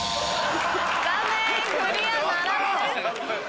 残念クリアならずです。